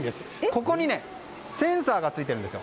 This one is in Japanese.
ここにセンサーがついてるんです。